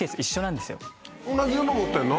同じの持ってんの？